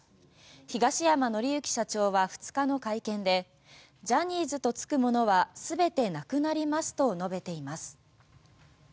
東山紀之社長は２日の会見でジャニーズとつくものは全てなくなりますと述べています。